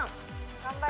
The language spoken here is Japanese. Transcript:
頑張れ！